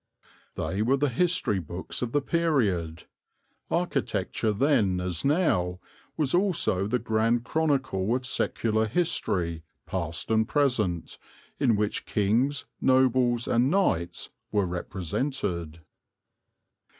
They were the history books of the period. Architecture then as now was also the grand chronicle of secular history, past and present, in which Kings, Nobles, and Knights were represented."